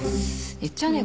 言っちゃうね